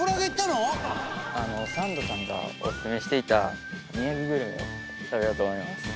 サンドさんがオススメしていた宮城グルメを食べようと思います。